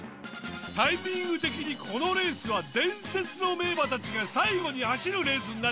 タイミング的にこのレースは伝説の名馬たちが最後に走るレースになることが多いんだよね。